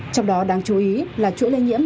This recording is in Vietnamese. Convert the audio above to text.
trong đó đáng chú ý là chuỗi lây nhiễm